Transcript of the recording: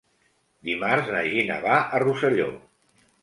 Dimarts na Gina va a Rosselló.